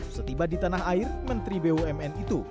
setiba di tanah air menteri bumn itu